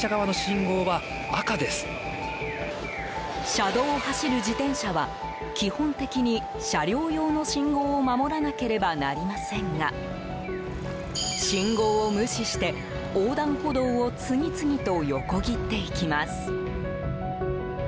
車道を走る自転車は基本的に、車両用の信号を守らなければなりませんが信号を無視して、横断歩道を次々と横切っていきます。